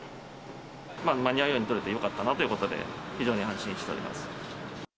間に合うように取れてよかったなということで、非常に安心しております。